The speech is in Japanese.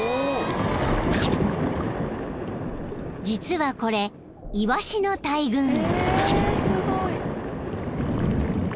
［実はこれイワシの大群］